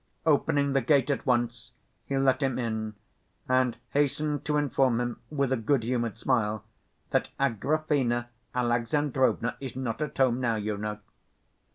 Opening the gate at once, he let him in, and hastened to inform him with a good‐humored smile that "Agrafena Alexandrovna is not at home now, you know."